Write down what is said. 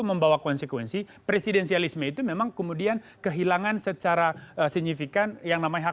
membawa konsekuensi presidensialisme itu memang kemudian kehilangan secara signifikan yang namanya hak